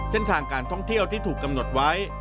เส้นทางการท่องเที่ยวที่ถูกกำหนดไว้